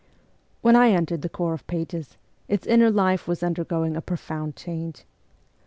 When I entered the corps of pages, its inner life was undergoing a profound change.